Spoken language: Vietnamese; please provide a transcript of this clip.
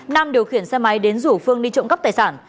nam điều khiển xe máy đến rủ phương đi trộm cắp tài sản